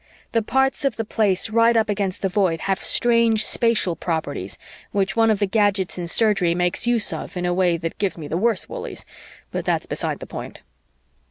The parts of the Place right up against the Void have strange spatial properties which one of the gadgets in Surgery makes use of in a way that gives me the worse woolies, but that's beside the point.